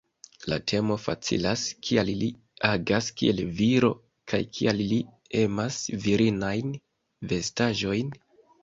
La temo facilas: kial li agas kiel viro kaj kial li emas virinajn vestaĵojn?